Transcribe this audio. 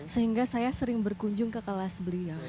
sehingga saya sering berkunjung ke kelas beliau